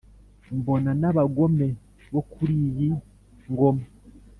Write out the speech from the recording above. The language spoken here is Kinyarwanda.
mbona n’abagome bo kuri iyi ngoma